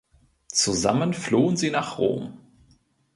Zusammen flohen sie nach Rom.